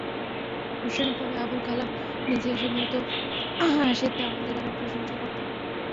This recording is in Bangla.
অনুষ্ঠানের পরে আবদুল কালাম নিজে এসে মুগ্ধ হাসিতে আমাদের গানের প্রশংসা করতেন।